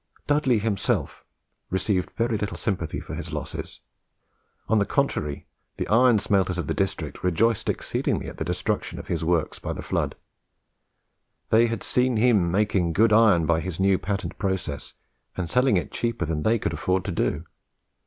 Dudley himself received very little sympathy for his losses. On the contrary, the iron smelters of the district rejoiced exceedingly at the destruction of his works by the flood. They had seen him making good iron by his new patent process, and selling it cheaper than they could afford to do.